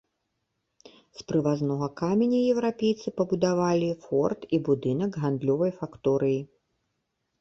З прывазнога каменя еўрапейцы пабудавалі форт і будынак гандлёвай факторыі.